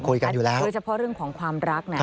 โดยเฉพาะเรื่องของความรักนะ